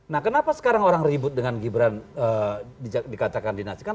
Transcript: nah kenapa sekarang orang ribut dengan gibran dikacakan dinasikan